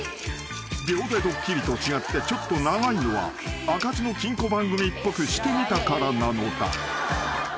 ［秒でドッキリと違ってちょっと長いのは開かずの金庫番組っぽくしてみたからなのだ］